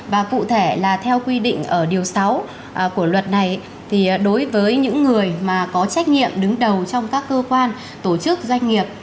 và cụ thể là theo quy định ở điều sáu của luật này thì đối với những người mà có trách nhiệm đứng đầu trong các cơ quan tổ chức doanh nghiệp